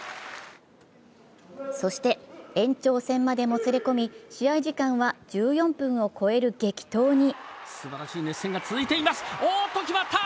そして延長戦までもつれ込み試合時間は１４分を超える激闘に。